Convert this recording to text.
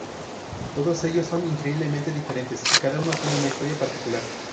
Todos ellos son increíblemente diferentes y cada uno tiene una historia particular.